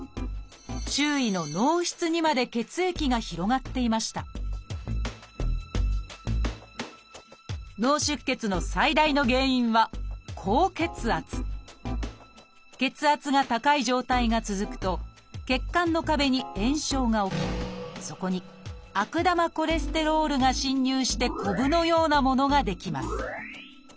周囲の「脳室」にまで血液が広がっていました脳出血の最大の原因は血圧が高い状態が続くと血管の壁に炎症が起きそこに悪玉コレステロールが侵入してこぶのようなものが出来ます。